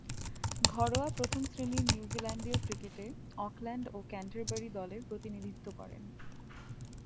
ঘরোয়া প্রথম-শ্রেণীর নিউজিল্যান্ডীয় ক্রিকেটে অকল্যান্ড ও ক্যান্টারবারি দলের প্রতিনিধিত্ব করেন।